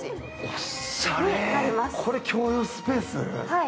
おっしゃれ、これ、共用スペース？